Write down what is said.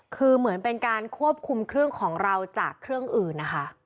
คือเหมือนเป็นการควบคุมเครื่องของเราจากเครื่องอื่นนะคะ